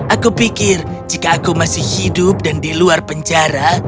aku pikir jika aku masih hidup dan di luar penjara